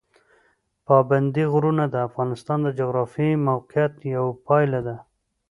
پابندي غرونه د افغانستان د جغرافیایي موقیعت یوه پایله ده.